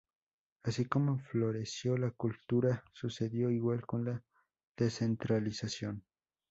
Así como floreció la cultura, sucedió igual con la descentralización.